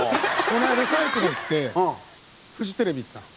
この間サイクロン着てフジテレビ行ったの。